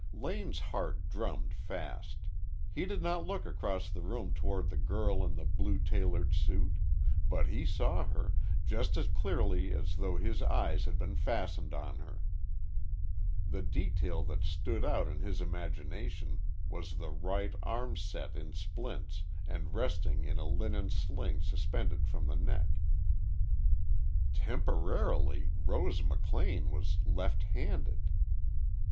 Lane's heart drummed fast. He did not look across the room toward the girl in the blue tailored suit. But he saw her, just as clearly as though his eyes had been fastened on her. The detail that stood out in his imagination was the right arm set in splints and resting in a linen sling suspended from the neck. Temporarily Rose McLean was left handed.